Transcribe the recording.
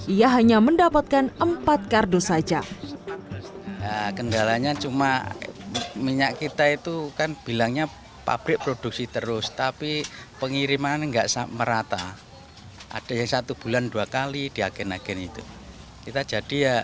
ia hanya mendapatkan empat kardus saja